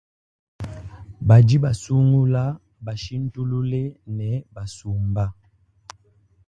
Badi basungula, bashintulule ne basumba.